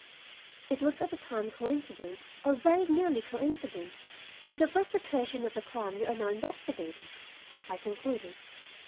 "It was at a time coincident, or very nearly coincident, with the perpetration of the crime you are now investigating," I concluded.